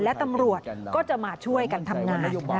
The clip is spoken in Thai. และตำรวจก็จะมาช่วยกันทำงาน